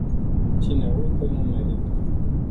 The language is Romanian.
Cine uită, nu merită.